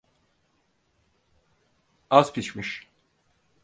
Az pişmiş.